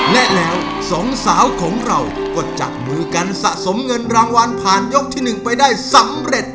และแล้วสองสาวของเราก็จับมือกันสะสมเงินรางวัลผ่านยกที่๑ไปได้สำเร็จ